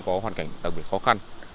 có hoàn cảnh đặc biệt khó khăn